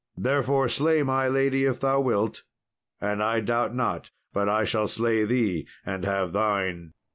Therefore, slay my lady if thou wilt, and I doubt not but I shall slay thee and have thine."